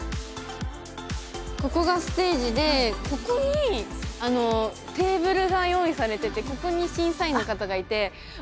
ここがステージでここにテーブルが用意されててここに審査員の方がいてハハハ！